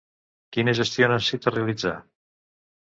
Quina gestió necessita realitzar?